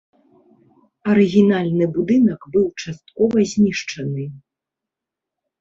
Арыгінальны будынак быў часткова знішчаны.